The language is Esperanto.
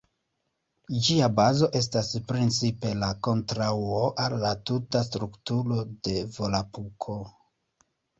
Ĝia bazo estas principe la kontraŭo al la tuta strukturo de Volapuko.